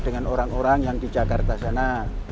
dengan orang orang yang di jakarta sana